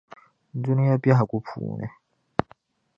Dunia bεhigu puuni.